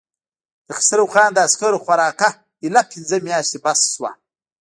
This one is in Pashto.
د خسرو خان د عسکرو خوراکه اېله پنځه مياشتې بس شوه.